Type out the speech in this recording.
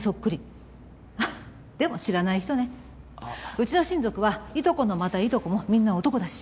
うちの親族はいとこもまたいとこもみんな男だし。